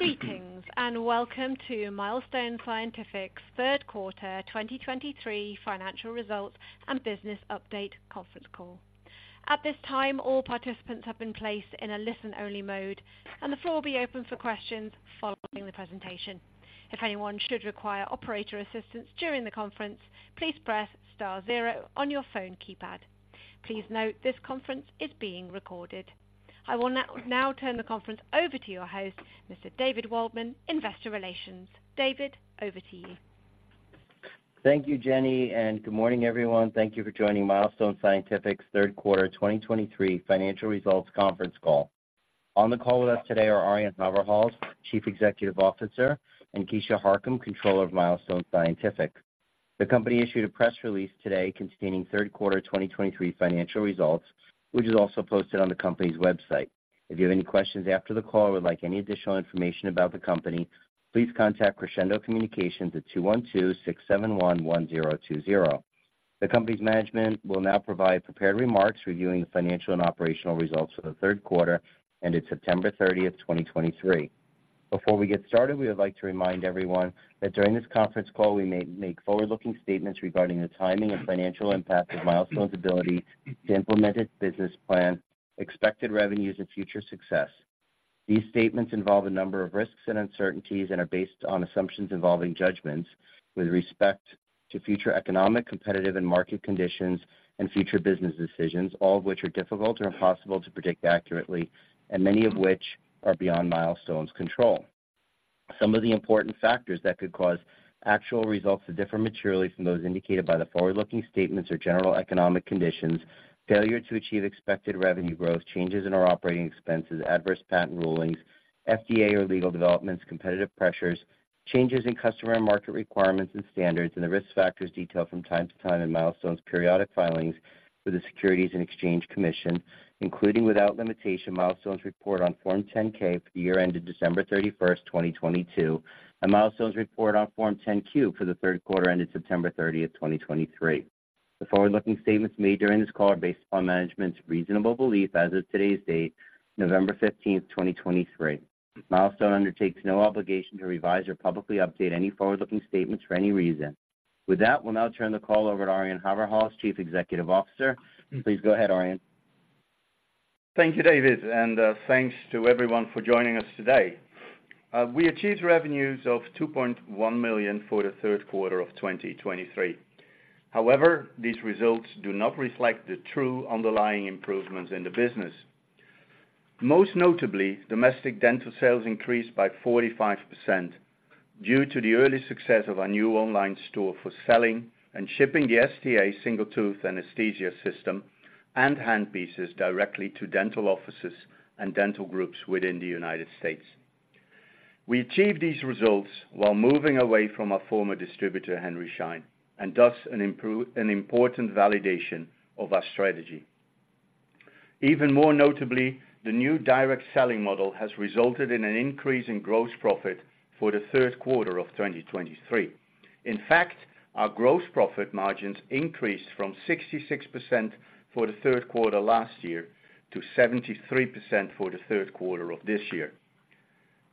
Greetings, and welcome to Milestone Scientific's third quarter 2023 financial results and business update conference call. At this time, all participants have been placed in a listen-only mode, and the floor will be open for questions following the presentation. If anyone should require operator assistance during the conference, please press star zero on your phone keypad. Please note, this conference is being recorded. I will now turn the conference over to your host, Mr. David Waldman, Investor Relations. David, over to you. Thank you, Jenny, and good morning, everyone. Thank you for joining Milestone Scientific's third quarter 2023 financial results conference call. On the call with us today are Arjan Haverhals, Chief Executive Officer, and Keisha Harcum, Controller of Milestone Scientific. The company issued a press release today containing third quarter 2023 financial results, which is also posted on the company's website. If you have any questions after the call or would like any additional information about the company, please contact Crescendo Communications at 212-671-1020. The company's management will now provide prepared remarks reviewing the financial and operational results for the third quarter, ending September 30th, 2023. Before we get started, we would like to remind everyone that during this conference call, we may make forward-looking statements regarding the timing and financial impact of Milestone's ability to implement its business plan, expected revenues, and future success. These statements involve a number of risks and uncertainties and are based on assumptions involving judgments with respect to future economic, competitive, and market conditions and future business decisions, all of which are difficult or impossible to predict accurately and many of which are beyond Milestone's control. Some of the important factors that could cause actual results to differ materially from those indicated by the forward-looking statements or general economic conditions, failure to achieve expected revenue growth, changes in our operating expenses, adverse patent rulings, FDA or legal developments, competitive pressures, changes in customer and market requirements and standards, and the risk factors detailed from time to time in Milestone's periodic filings with the Securities and Exchange Commission, including, without limitation, Milestone's report on Form 10-K for the year ended December 31st, 2022, and Milestone's report on Form 10-Q for the third quarter ended September 30th, 2023. The forward-looking statements made during this call are based upon management's reasonable belief as of today's date, November 15th, 2023. Milestone undertakes no obligation to revise or publicly update any forward-looking statements for any reason. With that, we'll now turn the call over to Arjan Haverhals, Chief Executive Officer. Please go ahead, Arjan. Thank you, David, and thanks to everyone for joining us today. We achieved revenues of $2.1 million for the third quarter of 2023. However, these results do not reflect the true underlying improvements in the business. Most notably, domestic dental sales increased by 45% due to the early success of our new online store for selling and shipping the STA Single Tooth Anesthesia System, and handpieces directly to dental offices and dental groups within the United States. We achieved these results while moving away from our former distributor, Henry Schein, and thus an important validation of our strategy. Even more notably, the new direct selling model has resulted in an increase in gross profit for the third quarter of 2023. In fact, our gross profit margins increased from 66% for the third quarter last year to 73% for the third quarter of this year.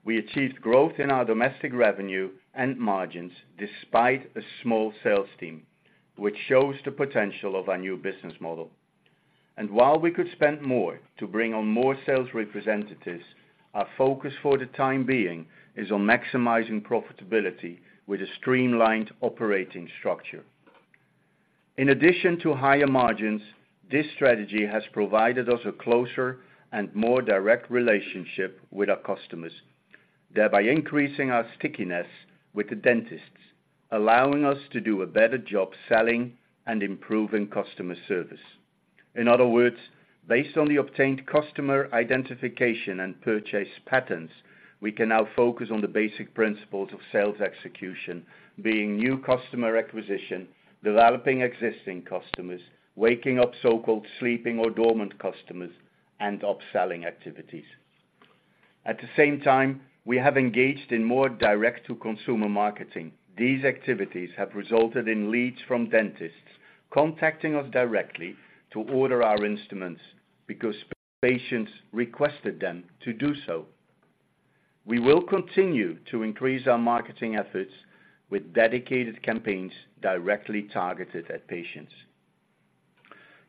We achieved growth in our domestic revenue and margins despite a small sales team, which shows the potential of our new business model. While we could spend more to bring on more sales representatives, our focus for the time being is on maximizing profitability with a streamlined operating structure. In addition to higher margins, this strategy has provided us a closer and more direct relationship with our customers, thereby increasing our stickiness with the dentists, allowing us to do a better job selling and improving customer service. In other words, based on the obtained customer identification and purchase patterns, we can now focus on the basic principles of sales execution, being new customer acquisition, developing existing customers, waking up so-called sleeping or dormant customers, and upselling activities. At the same time, we have engaged in more direct-to-consumer marketing. These activities have resulted in leads from dentists contacting us directly to order our instruments because patients requested them to do so. We will continue to increase our marketing efforts with dedicated campaigns directly targeted at patients.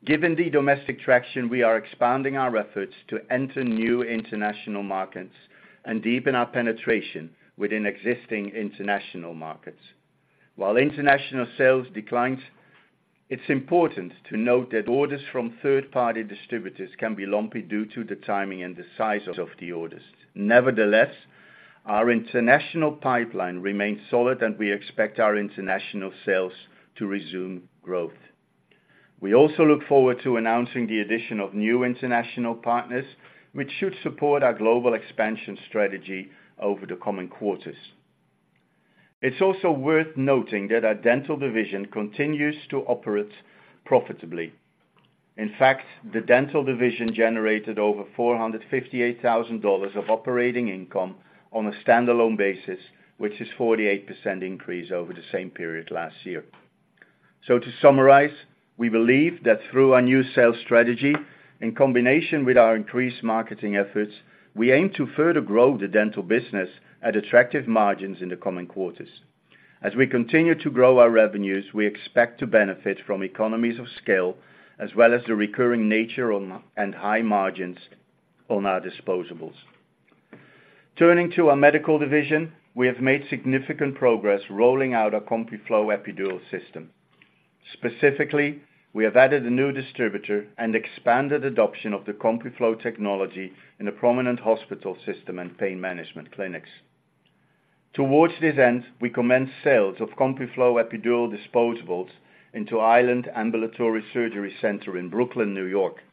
Given the domestic traction, we are expanding our efforts to enter new international markets and deepen our penetration within existing international markets. While international sales declines, it's important to note that orders from third-party distributors can be lumpy due to the timing and the size of the orders. Nevertheless, our international pipeline remains solid, and we expect our international sales to resume growth. We also look forward to announcing the addition of new international partners, which should support our global expansion strategy over the coming quarters. It's also worth noting that our dental division continues to operate profitably. In fact, the dental division generated over $458,000 of operating income on a standalone basis, which is 48% increase over the same period last year. So to summarize, we believe that through our new sales strategy, in combination with our increased marketing efforts, we aim to further grow the dental business at attractive margins in the coming quarters. As we continue to grow our revenues, we expect to benefit from economies of scale, as well as the recurring nature on and high margins on our disposables. Turning to our medical division, we have made significant progress rolling out our CompuFlo Epidural System. Specifically, we have added a new distributor and expanded adoption of the CompuFlo technology in a prominent hospital system and pain management clinics. Towards this end, we commenced sales of CompuFlo epidural disposables into Island Ambulatory Surgery Center in Brooklyn, New York.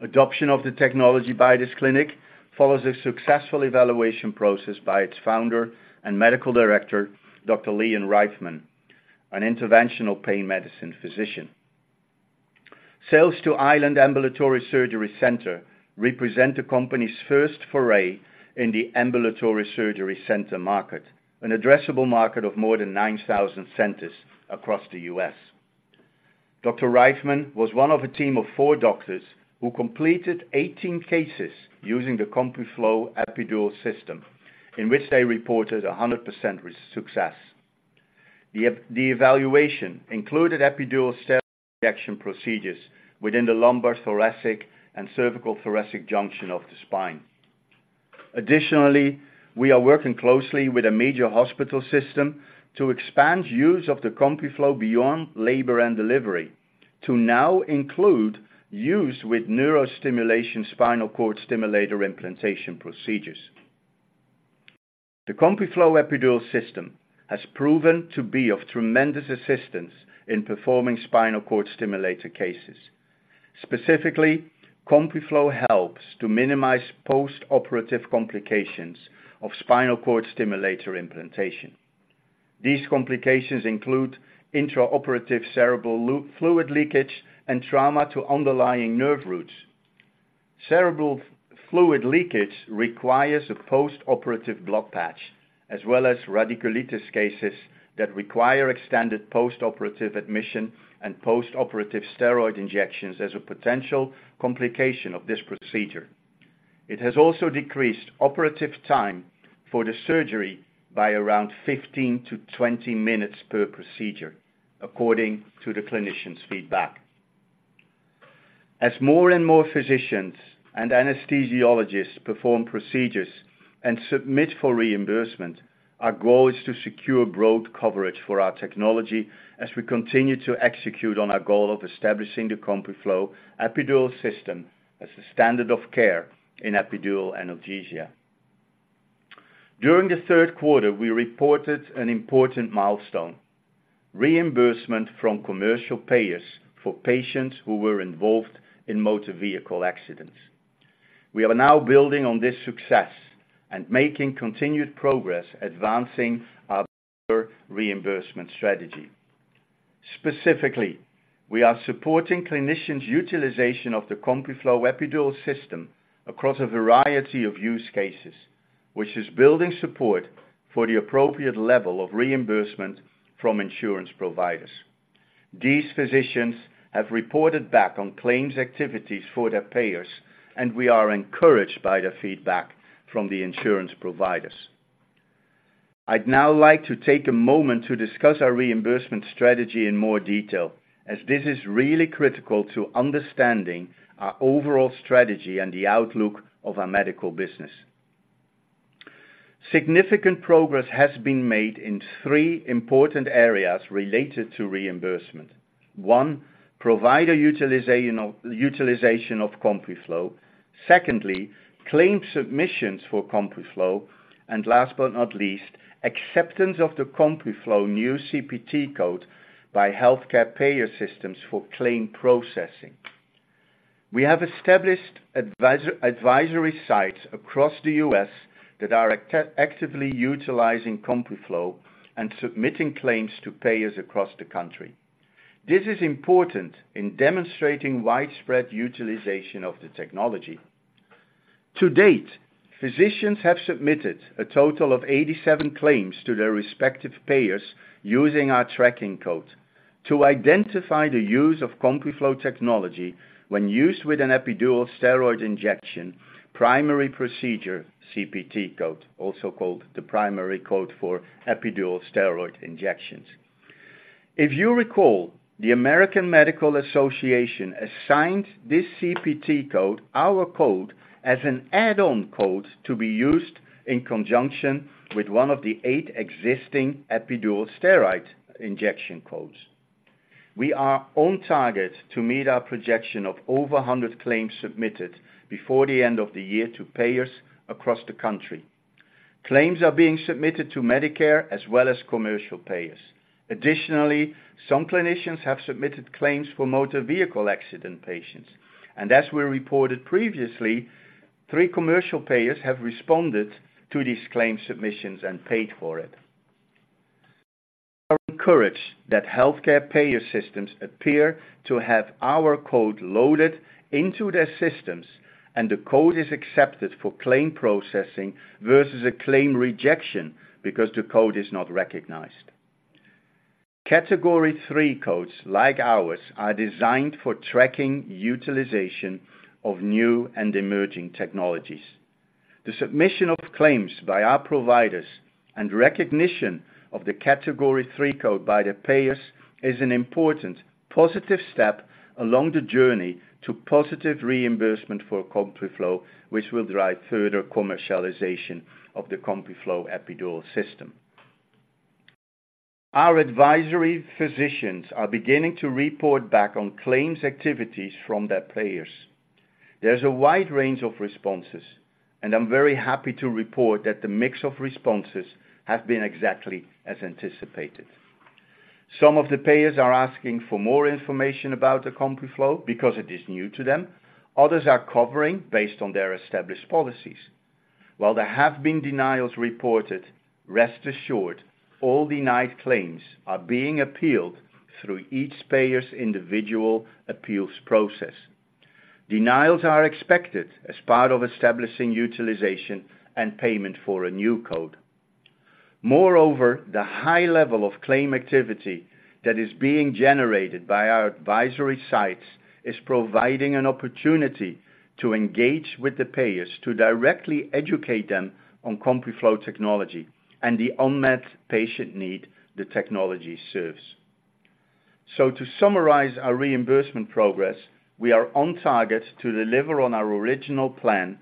Adoption of the technology by this clinic follows a successful evaluation process by its founder and medical director, Dr. Leon Reyfman, an interventional pain medicine physician. Sales to Island Ambulatory Surgery Center represent the company's first foray in the ambulatory surgery center market, an addressable market of more than 9,000 centers across the U.S. Dr. Reyfman was one of a team of four doctors who completed 18 cases using the CompuFlo Epidural System, in which they reported 100% success. The evaluation included epidural steroid injection procedures within the lumbar thoracic and cervical thoracic junction of the spine. Additionally, we are working closely with a major hospital system to expand use of the CompuFlo beyond labor and delivery, to now include use with neurostimulation spinal cord stimulator implantation procedures. The CompuFlo Epidural System has proven to be of tremendous assistance in performing spinal cord stimulator cases. Specifically, CompuFlo helps to minimize postoperative complications of spinal cord stimulator implantation. These complications include intraoperative cerebral fluid leakage and trauma to underlying nerve roots. Cerebral fluid leakage requires a postoperative blood patch, as well as radiculitis cases that require extended postoperative admission and postoperative steroid injections as a potential complication of this procedure. It has also decreased operative time for the surgery by around 15-20 minutes per procedure, according to the clinician's feedback. As more and more physicians and anesthesiologists perform procedures and submit for reimbursement, our goal is to secure broad coverage for our technology as we continue to execute on our goal of establishing the CompuFlo Epidural System as the standard of care in epidural analgesia. During the third quarter, we reported an important milestone, reimbursement from commercial payers for patients who were involved in motor vehicle accidents. We are now building on this success and making continued progress advancing our reimbursement strategy. Specifically, we are supporting clinicians' utilization of the CompuFlo Epidural System across a variety of use cases, which is building support for the appropriate level of reimbursement from insurance providers. These physicians have reported back on claims activities for their payers, and we are encouraged by the feedback from the insurance providers. I'd now like to take a moment to discuss our reimbursement strategy in more detail, as this is really critical to understanding our overall strategy and the outlook of our medical business. Significant progress has been made in three important areas related to reimbursement. One, provider utilization of CompuFlo. Secondly, claim submissions for CompuFlo, and last but not least, acceptance of the CompuFlo new CPT code by healthcare payer systems for claim processing. We have established advisory sites across the U.S. that are actively utilizing CompuFlo and submitting claims to payers across the country. This is important in demonstrating widespread utilization of the technology. To date, physicians have submitted a total of 87 claims to their respective payers using our tracking code to identify the use of CompuFlo technology when used with an epidural steroid injection, primary procedure, CPT code, also called the primary code for epidural steroid injections. If you recall, the American Medical Association assigned this CPT code, our code, as an add-on code to be used in conjunction with one of the 8 existing epidural steroid injection codes. We are on target to meet our projection of over 100 claims submitted before the end of the year to payers across the country. Claims are being submitted to Medicare as well as commercial payers. Additionally, some clinicians have submitted claims for motor vehicle accident patients, and as we reported previously, 3 commercial payers have responded to these claim submissions and paid for it. We are encouraged that healthcare payer systems appear to have our code loaded into their systems, and the code is accepted for claim processing versus a claim rejection, because the code is not recognized. Category III codes like ours are designed for tracking utilization of new and emerging technologies. The submission of claims by our providers and recognition of the Category III code by the payers is an important positive step along the journey to positive reimbursement for CompuFlo, which will drive further commercialization of the CompuFlo Epidural System. Our advisory physicians are beginning to report back on claims activities from their payers. There's a wide range of responses, and I'm very happy to report that the mix of responses have been exactly as anticipated. Some of the payers are asking for more information about the CompuFlo because it is new to them, others are covering based on their established policies. While there have been denials reported, rest assured all denied claims are being appealed through each payer's individual appeals process. Denials are expected as part of establishing utilization and payment for a new code. Moreover, the high level of claim activity that is being generated by our advisory sites is providing an opportunity to engage with the payers to directly educate them on CompuFlo technology and the unmet patient need the technology serves. So to summarize our reimbursement progress, we are on target to deliver on our original plan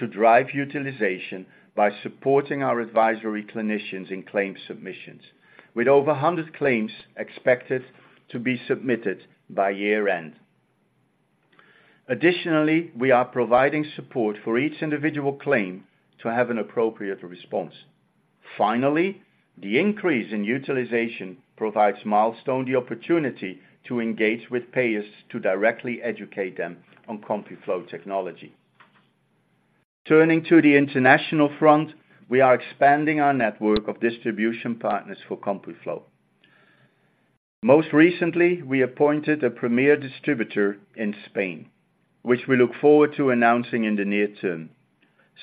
to drive utilization by supporting our advisory clinicians in claims submissions, with over 100 claims expected to be submitted by year-end. Additionally, we are providing support for each individual claim to have an appropriate response. Finally, the increase in utilization provides Milestone the opportunity to engage with payers to directly educate them on CompuFlo technology. Turning to the international front, we are expanding our network of distribution partners for CompuFlo. Most recently, we appointed a premier distributor in Spain, which we look forward to announcing in the near term.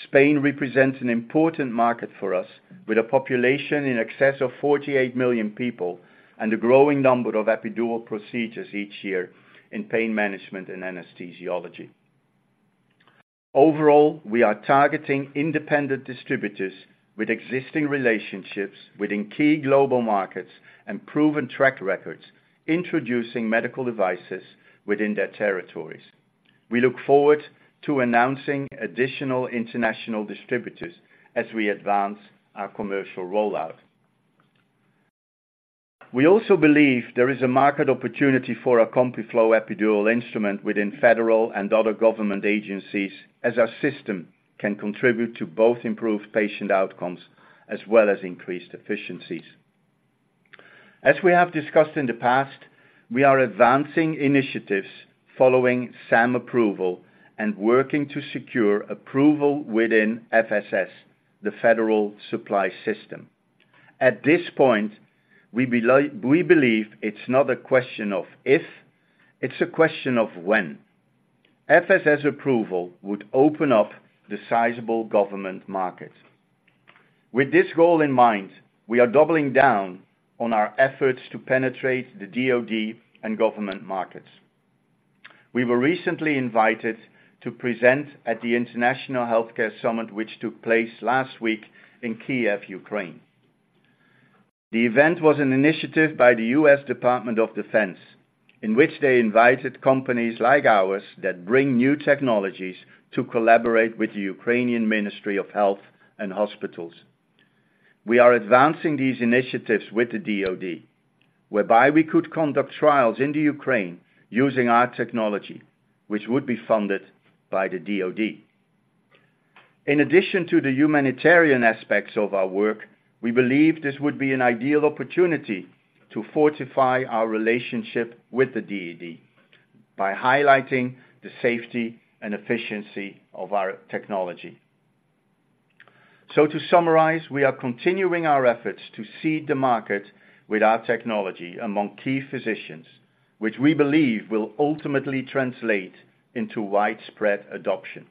Spain represents an important market for us, with a population in excess of 48 million people and a growing number of epidural procedures each year in pain management and anesthesiology. Overall, we are targeting independent distributors with existing relationships within key global markets and proven track records, introducing medical devices within their territories. We look forward to announcing additional international distributors as we advance our commercial rollout. We also believe there is a market opportunity for our CompuFlo epidural instrument within federal and other government agencies, as our system can contribute to both improved patient outcomes as well as increased efficiencies. As we have discussed in the past, we are advancing initiatives following SAM approval and working to secure approval within FSS, the Federal Supply Schedule. At this point, we believe it's not a question of if, it's a question of when. FSS approval would open up the sizable government market. With this goal in mind, we are doubling down on our efforts to penetrate the DoD and government markets. We were recently invited to present at the International Healthcare Summit, which took place last week in Kyiv, Ukraine. The event was an initiative by the U.S. Department of Defense, in which they invited companies like ours that bring new technologies to collaborate with the Ukrainian Ministry of Health and Hospitals. We are advancing these initiatives with the DoD, whereby we could conduct trials in the Ukraine using our technology, which would be funded by the DoD. In addition to the humanitarian aspects of our work, we believe this would be an ideal opportunity to fortify our relationship with the DoD, by highlighting the safety and efficiency of our technology. To summarize, we are continuing our efforts to seed the market with our technology among key physicians, which we believe will ultimately translate into widespread adoption.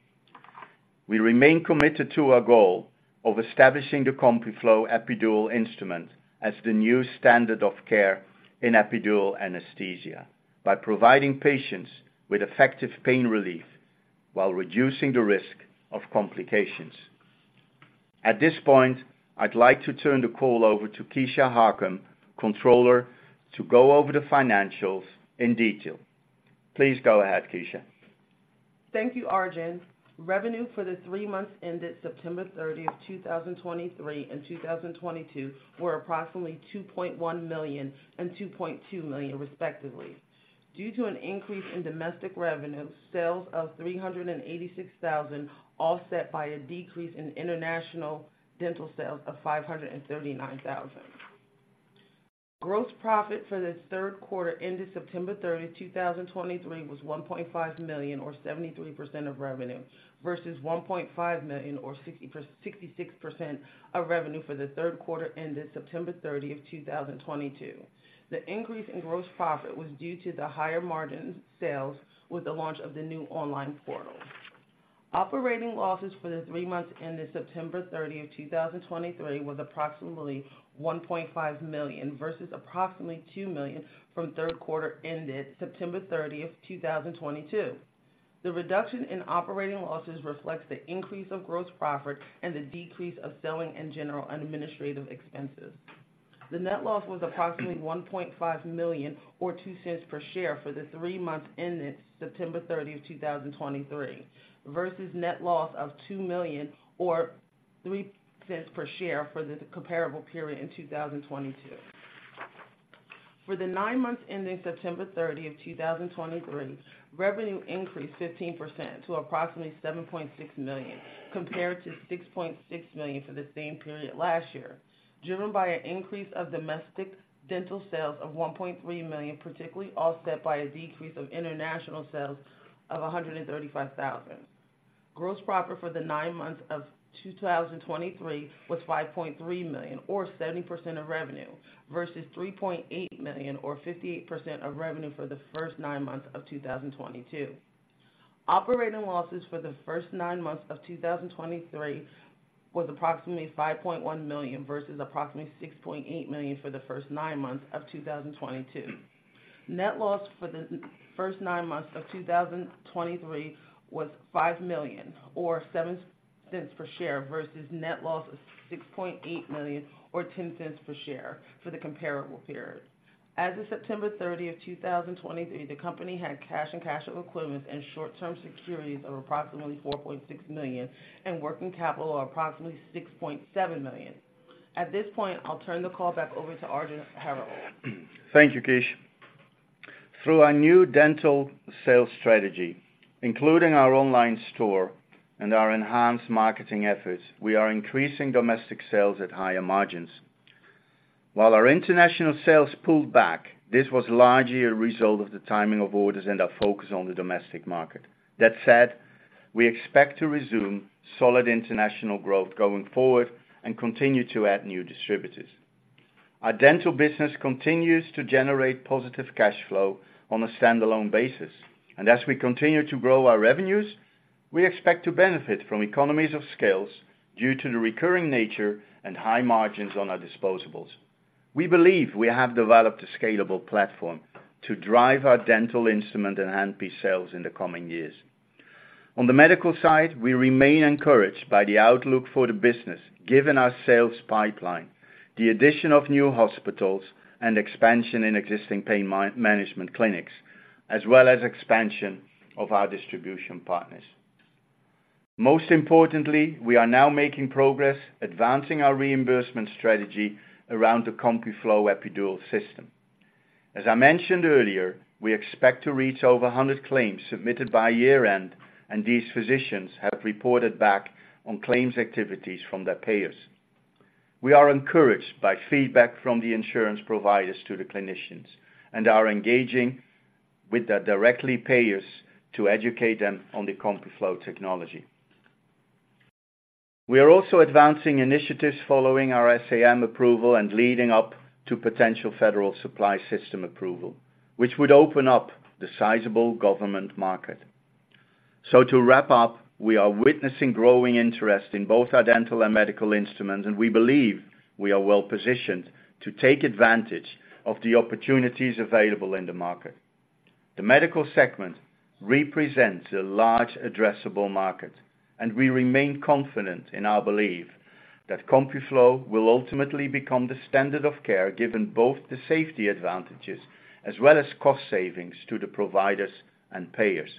We remain committed to our goal of establishing the CompuFlo epidural instrument as the new standard of care in epidural anesthesia, by providing patients with effective pain relief while reducing the risk of complications. At this point, I'd like to turn the call over to Keisha Harcum, Controller, to go over the financials in detail. Please go ahead, Keisha. Thank you, Arjan. Revenue for the three months ended September 30th, 2023 and 2022, were approximately $2.1 million and $2.2 million, respectively. Due to an increase in domestic revenue, sales of $386,000, offset by a decrease in international dental sales of $539,000. Gross profit for the third quarter ended September 30th, 2023, was $1.5 million, or 73% of revenue, versus $1.5 million, or 66% of revenue for the third quarter ended September 30, 2022. The increase in gross profit was due to the higher margin sales with the launch of the new online portal. Operating losses for the three months ended September 30 of 2023 was approximately $1.5 million, versus approximately $2 million from third quarter ended September 30, 2022. The reduction in operating losses reflects the increase of gross profit and the decrease of selling and general administrative expenses. The net loss was approximately $1.5 million, or $0.02 per share, for the three months ended September 30 of 2023, versus net loss of $2 million, or $0.03 per share, for the comparable period in 2022. For the 9 months ending September 30, 2023, revenue increased 15% to approximately $7.6 million, compared to $6.6 million for the same period last year, driven by an increase of domestic dental sales of $1.3 million, particularly offset by a decrease of international sales of $135,000. Gross profit for the 9 months of 2023 was $5.3 million, or 70% of revenue, versus $3.8 million, or 58% of revenue for the first 9 months of 2022. Operating losses for the first 9 months of 2023 was approximately $5.1 million versus approximately $6.8 million for the first 9 months of 2022. Net loss for the first nine months of 2023 was $5 million, or $0.07 per share, versus net loss of $6.8 million, or $0.10 per share for the comparable period. As of September 30, 2023, the company had cash and cash equivalents and short-term securities of approximately $4.6 million and working capital of approximately $6.7 million. At this point, I'll turn the call back over to Arjan Haverhals. Thank you, Keisha. Through our new dental sales strategy, including our online store and our enhanced marketing efforts, we are increasing domestic sales at higher margins. While our international sales pulled back, this was largely a result of the timing of orders and our focus on the domestic market. That said, we expect to resume solid international growth going forward and continue to add new distributors. Our dental business continues to generate positive cash flow on a standalone basis, and as we continue to grow our revenues, we expect to benefit from economies of scale due to the recurring nature and high margins on our disposables. We believe we have developed a scalable platform to drive our dental instrument and handpiece sales in the coming years. On the medical side, we remain encouraged by the outlook for the business, given our sales pipeline, the addition of new hospitals and expansion in existing pain management clinics, as well as expansion of our distribution partners. Most importantly, we are now making progress advancing our reimbursement strategy around the CompuFlo Epidural System. As I mentioned earlier, we expect to reach over 100 claims submitted by year-end, and these physicians have reported back on claims activities from their payers. We are encouraged by feedback from the insurance providers to the clinicians and are engaging directly with their payers to educate them on the CompuFlo technology. We are also advancing initiatives following our SAM approval and leading up to potential Federal Supply Schedule approval, which would open up the sizable government market. To wrap up, we are witnessing growing interest in both our dental and medical instruments, and we believe we are well positioned to take advantage of the opportunities available in the market. The medical segment represents a large addressable market, and we remain confident in our belief that CompuFlo will ultimately become the standard of care, given both the safety advantages as well as cost savings to the providers and payers.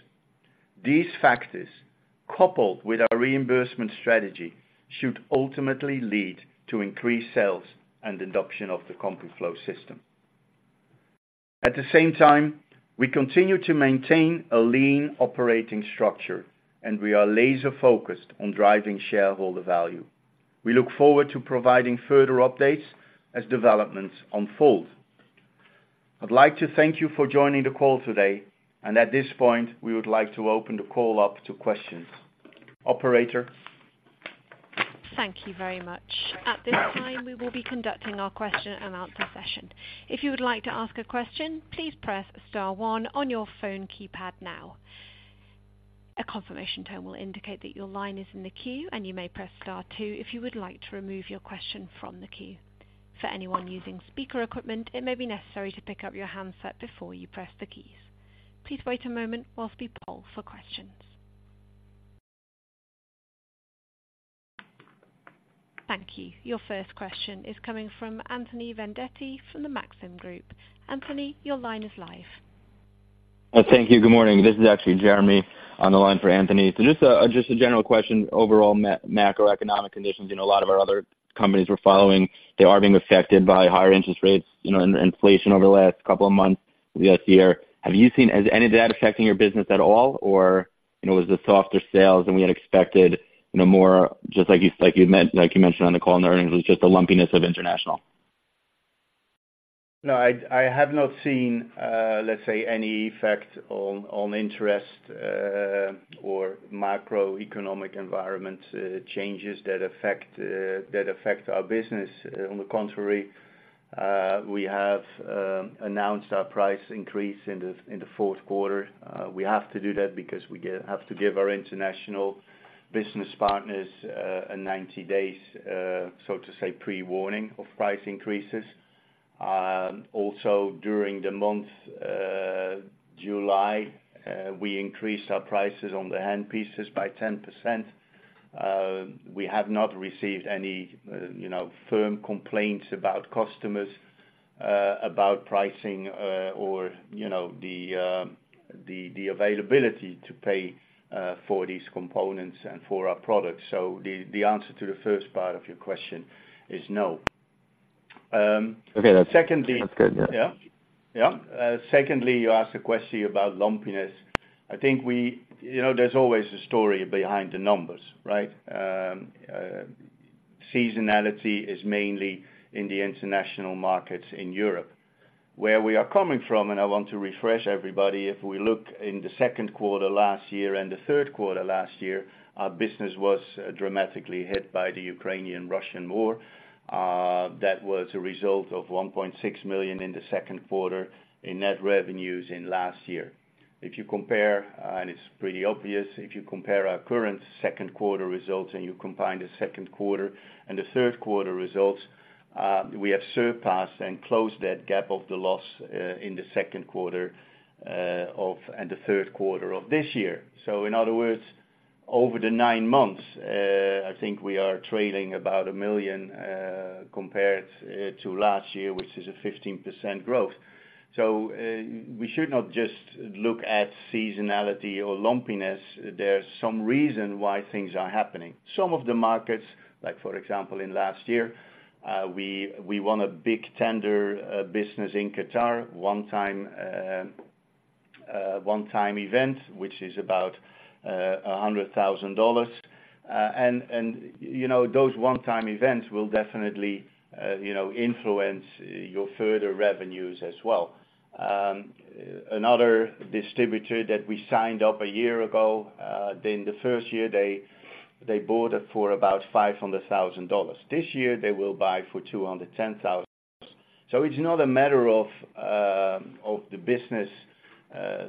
These factors, coupled with our reimbursement strategy, should ultimately lead to increased sales and induction of the CompuFlo system. At the same time, we continue to maintain a lean operating structure, and we are laser-focused on driving shareholder value. We look forward to providing further updates as developments unfold. I'd like to thank you for joining the call today, and at this point, we would like to open the call up to questions. Operator? Thank you very much. At this time, we will be conducting our question and answer session. If you would like to ask a question, please press star one on your phone keypad now. A confirmation tone will indicate that your line is in the queue, and you may press star two if you would like to remove your question from the queue. For anyone using speaker equipment, it may be necessary to pick up your handset before you press the keys. Please wait a moment while we poll for questions. Thank you. Your first question is coming from Anthony Vendetti from the Maxim Group. Anthony, your line is live. Thank you. Good morning. This is actually Jeremy on the line for Anthony. So just a general question, overall macroeconomic conditions. You know, a lot of our other companies we're following, they are being affected by higher interest rates, you know, and inflation over the last couple of months, the last year. Have you seen, has any of that affecting your business at all, or, you know, was the softer sales than we had expected, you know, more just like you mentioned on the call and the earnings, it was just the lumpiness of international? No, I have not seen, let's say, any effect on interest or macroeconomic environment changes that affect our business. On the contrary, we have announced our price increase in the fourth quarter. We have to do that because we have to give our international business partners a 90 days, so to say, pre-warning of price increases. Also during the month July, we increased our prices on the hand pieces by 10%. We have not received any, you know, firm complaints about customers about pricing or, you know, the availability to pay for these components and for our products. So the answer to the first part of your question is no. Secondly- Okay, that's, that's good. Yeah. Yeah. Secondly, you asked a question about lumpiness. I think we... You know, there's always a story behind the numbers, right? Seasonality is mainly in the international markets in Europe, where we are coming from, and I want to refresh everybody, if we look in the second quarter last year and the third quarter last year, our business was dramatically hit by the Ukrainian-Russian war. That was a result of $1.6 million in the second quarter in net revenues in last year. If you compare, and it's pretty obvious, if you compare our current second quarter results and you combine the second quarter and the third quarter results, we have surpassed and closed that gap of the loss in the second quarter and the third quarter of this year. So in other words, over the nine months, I think we are trailing about $1 million, compared to last year, which is a 15% growth. So, we should not just look at seasonality or lumpiness. There's some reason why things are happening. Some of the markets, like for example, in last year, we won a big tender business in Qatar, one-time event, which is about $100,000. And, you know, those one-time events will definitely, you know, influence your further revenues as well. Another distributor that we signed up a year ago, then the first year, they bought it for about $500,000. This year, they will buy for $210,000. So it's not a matter of the business,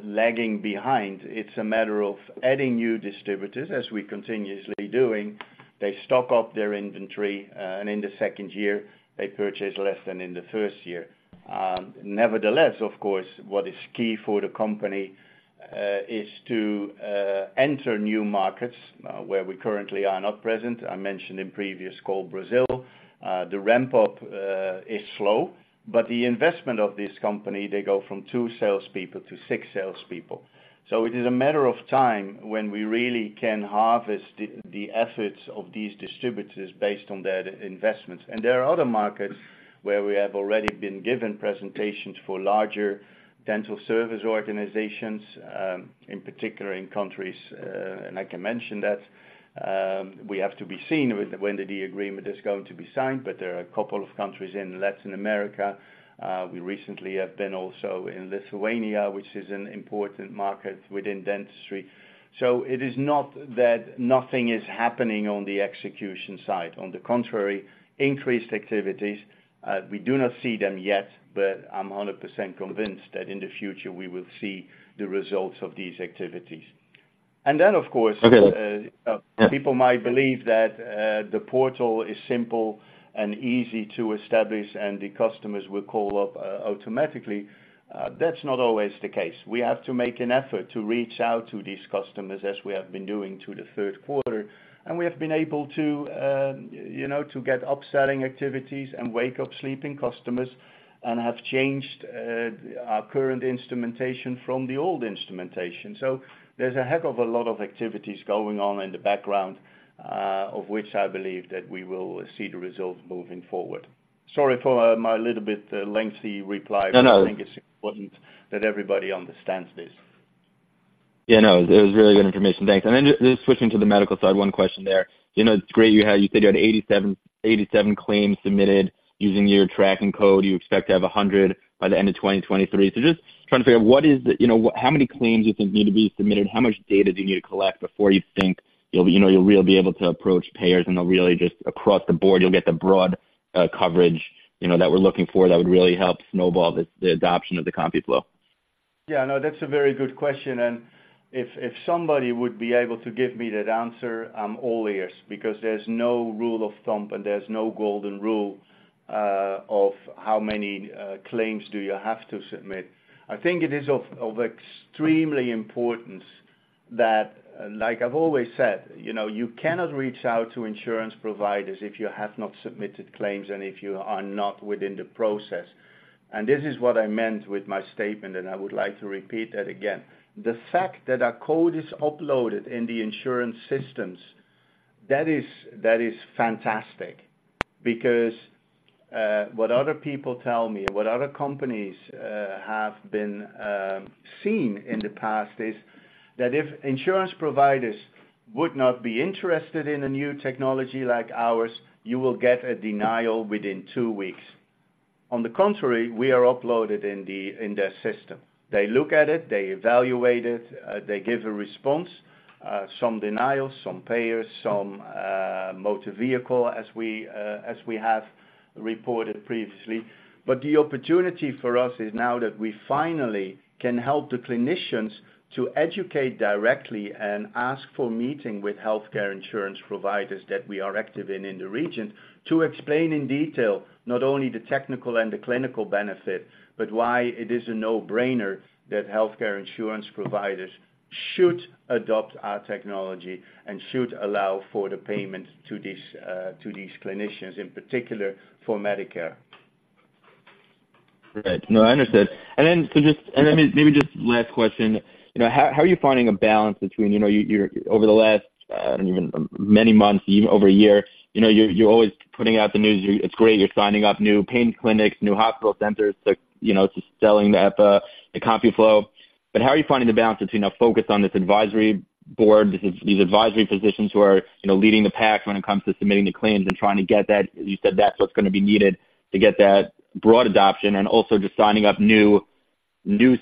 lagging behind. It's a matter of adding new distributors, as we're continuously doing. They stock up their inventory, and in the second year, they purchase less than in the first year. Nevertheless, of course, what is key for the company, is to enter new markets, where we currently are not present. I mentioned in previous call, Brazil. The ramp up is slow, but the investment of this company, they go from 2 salespeople to 6 salespeople. So it is a matter of time when we really can harvest the, the efforts of these distributors based on their investments. And there are other markets where we have already been given presentations for larger dental service organizations, in particular in countries, and I can mention that, we have to be seen when the agreement is going to be signed, but there are a couple of countries in Latin America. We recently have been also in Lithuania, which is an important market within dentistry. It is not that nothing is happening on the execution side. On the contrary, increased activities. We do not see them yet, but I'm 100% convinced that in the future, we will see the results of these activities. And then, of course- Okay. People might believe that the portal is simple and easy to establish, and the customers will call up automatically. That's not always the case. We have to make an effort to reach out to these customers, as we have been doing to the third quarter, and we have been able to, you know, to get upselling activities and wake up sleeping customers and have changed our current instrumentation from the old instrumentation. So there's a heck of a lot of activities going on in the background, of which I believe that we will see the results moving forward. Sorry for my little bit lengthy reply- No, no. - but I think it's important that everybody understands this. Yeah, no, it was really good information. Thanks. Then just switching to the medical side, one question there. You know, it's great you had... You said you had 87, 87 claims submitted using your tracking code. You expect to have 100 by the end of 2023. So just trying to figure out what is, you know, how many claims you think need to be submitted, how much data do you need to collect before you think you'll, you know, you'll really be able to approach payers and they'll really just across the board, you'll get the broad coverage, you know, that we're looking for, that would really help snowball the, the adoption of the CompuFlo? Yeah, no, that's a very good question, and if, if somebody would be able to give me that answer, I'm all ears, because there's no rule of thumb, and there's no golden rule, of how many claims do you have to submit. I think it is of extremely importance that, like I've always said, you know, you cannot reach out to insurance providers if you have not submitted claims and if you are not within the process. And this is what I meant with my statement, and I would like to repeat that again. The fact that our code is uploaded in the insurance systems, that is, that is fantastic, because what other people tell me and what other companies have been seen in the past is, that if insurance providers would not be interested in a new technology like ours, you will get a denial within two weeks. On the contrary, we are uploaded in the, in their system. They look at it, they evaluate it, they give a response, some denials, some payers, some motor vehicle, as we, as we have reported previously. The opportunity for us is now that we finally can help the clinicians to educate directly and ask for meeting with healthcare insurance providers that we are active in, in the region, to explain in detail not only the technical and the clinical benefit, but why it is a no-brainer that healthcare insurance providers should adopt our technology and should allow for the payment to these, to these clinicians, in particular for Medicare. Right. No, I understand. And then, so and then maybe just last question, you know, how, how are you finding a balance between, you know, you, you're... Over the last, even many months, even over a year, you know, you're, you're always putting out the news. It's great, you're signing up new pain clinics, new hospital centers to, you know, to selling the, the CompuFlo. But how are you finding the balance between, focus on this advisory board, these, these advisory physicians who are, you know, leading the pack when it comes to submitting the claims and trying to get that? You said that's what's gonna be needed to get that broad adoption, and also just signing up new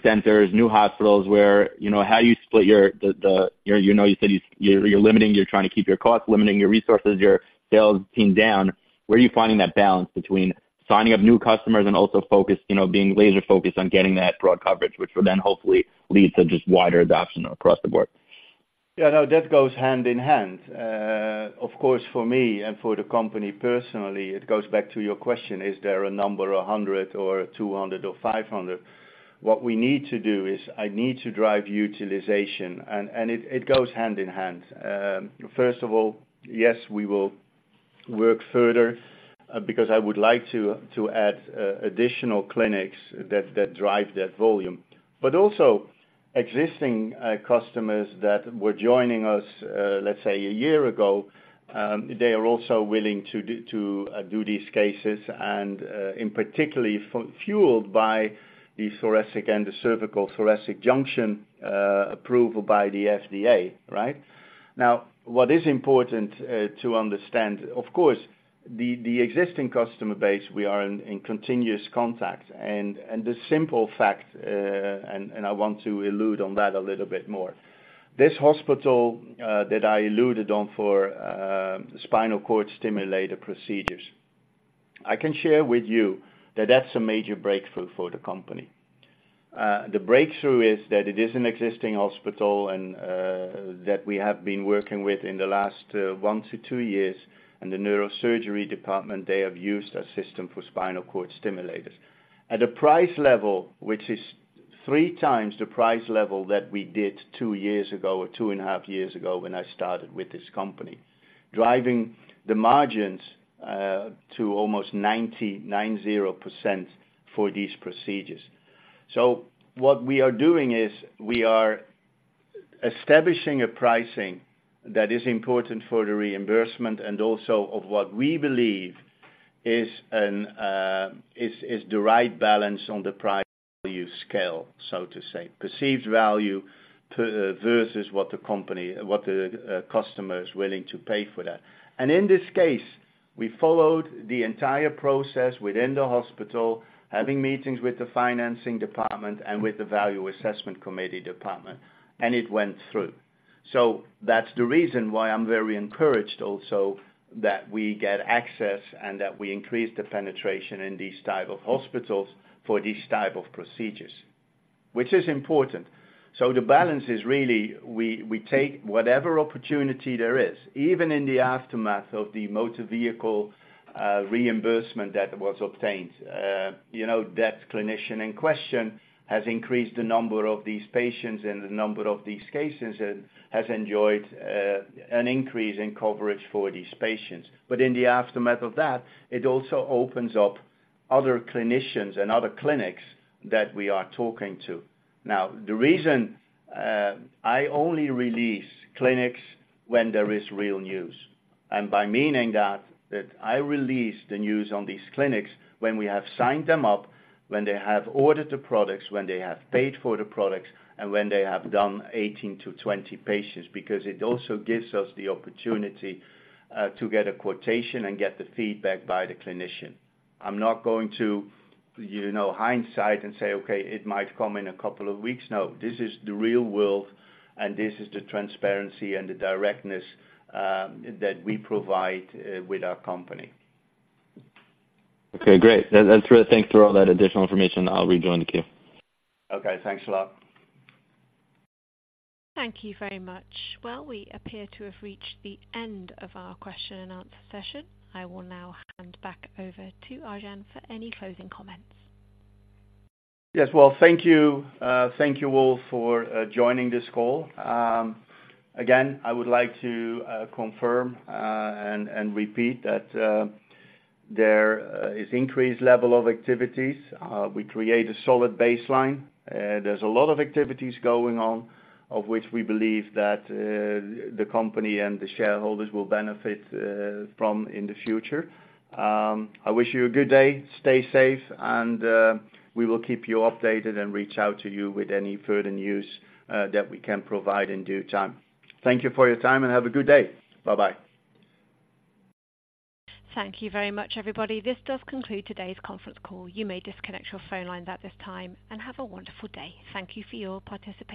centers, new hospitals where, you know, how you split your the, you know, you said you're limiting, you're trying to keep your costs, limiting your resources, your sales team down. Where are you finding that balance between signing up new customers and also focus, you know, being laser-focused on getting that broad coverage, which will then hopefully lead to just wider adoption across the board? Yeah, no, that goes hand in hand. Of course, for me and for the company personally, it goes back to your question: Is there a number, 100 or 200 or 500? What we need to do is I need to drive utilization, and it goes hand in hand. First of all, yes, we will work further, because I would like to add additional clinics that drive that volume. But also, existing customers that were joining us, let's say a year ago, they are also willing to do these cases, and in particular fueled by the thoracic and the cervical thoracic junction approval by the FDA, right? Now, what is important to understand, of course, the existing customer base, we are in continuous contact. And the simple fact, and I want to allude to that a little bit more. This hospital that I alluded to for spinal cord stimulator procedures, I can share with you that that's a major breakthrough for the company. The breakthrough is that it is an existing hospital and that we have been working with in the last 1-2 years. In the neurosurgery department, they have used our system for spinal cord stimulators. At a price level, which is 3 times the price level that we did 2 years ago, or 2.5 years ago, when I started with this company, driving the margins to almost 99.0% for these procedures. So what we are doing is, we are establishing a pricing that is important for the reimbursement, and also of what we believe is the right balance on the price value scale, so to say. Perceived value to versus what the customer is willing to pay for that. And in this case, we followed the entire process within the hospital, having meetings with the financing department and with the value assessment committee department, and it went through. So that's the reason why I'm very encouraged also that we get access and that we increase the penetration in these type of hospitals for these type of procedures, which is important. So the balance is really, we take whatever opportunity there is, even in the aftermath of the motor vehicle reimbursement that was obtained. You know, that clinician in question has increased the number of these patients and the number of these cases, and has enjoyed an increase in coverage for these patients. But in the aftermath of that, it also opens up other clinicians and other clinics that we are talking to. Now, the reason I only release clinics when there is real news, and by meaning that, that I release the news on these clinics when we have signed them up, when they have ordered the products, when they have paid for the products, and when they have done 18-20 patients. Because it also gives us the opportunity to get a quotation and get the feedback by the clinician. I'm not going to, you know, hindsight and say, "Okay, it might come in a couple of weeks." No, this is the real world, and this is the transparency and the directness, that we provide, with our company. Okay, great. That's great. Thanks for all that additional information. I'll rejoin the queue. Okay, thanks a lot. Thank you very much. Well, we appear to have reached the end of our question and answer session. I will now hand back over to Arjan for any closing comments. Yes, well, thank you, thank you all for joining this call. Again, I would like to confirm and repeat that there is increased level of activities. We create a solid baseline. There's a lot of activities going on, of which we believe that the company and the shareholders will benefit from in the future. I wish you a good day, stay safe, and we will keep you updated and reach out to you with any further news that we can provide in due time. Thank you for your time, and have a good day. Bye-bye. Thank you very much, everybody. This does conclude today's conference call. You may disconnect your phone lines at this time, and have a wonderful day. Thank you for your participation.